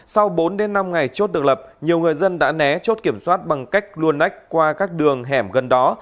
sau bốn năm ngày chốt được lập nhiều người dân đã né chốt kiểm soát bằng cách luồn nách qua các đường hẻm gần đó